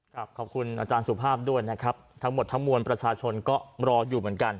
ขอบคุณอาจารย์สุภาพด้วยนะครับทั้งหมดทั้งมวลประชาชนก็รออยู่เหมือนกัน